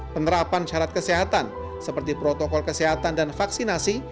penerapan syarat kesehatan seperti protokol kesehatan dan vaksinasi